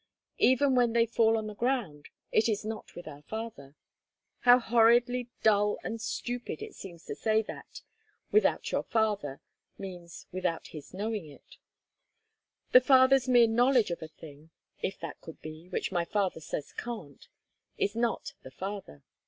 Even when they fall on the ground, it is not without our Father. How horridly dull and stupid it seems to say that "without your Father" means without his knowing it. The Father's mere knowledge of a thing if that could be, which my father says can't is not the Father.